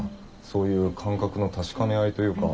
そういう感覚の確かめ合いというか。